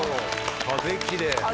風きれい。